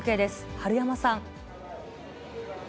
治山さん。